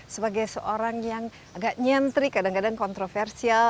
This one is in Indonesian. sebagai seorang yang agak nyentri kadang kadang kontroversial